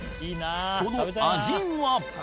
その味は？